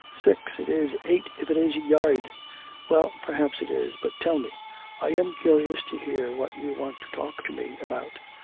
'Six! it is eight if it is a yard!' 'Well, perhaps it is; but tell me, I am curious to hear what you want to talk to me about....